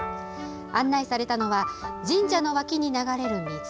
案内されたのは神社の脇に流れる水。